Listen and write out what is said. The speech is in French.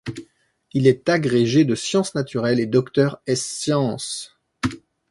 Il est agrégé de sciences naturelles et docteur ès sciences.